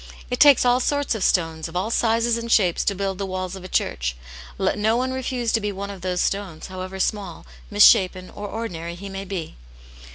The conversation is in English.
It takes all sorts of stones, of all sizes and shapes, to build the walls of a church i let no one refuse to be one of those stones, however small, misshapen, or ordinary he may be.